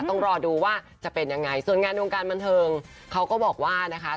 ต้องรอดูว่าจะเป็นยังไงส่วนงานวงการบันเทิงเขาก็บอกว่านะคะ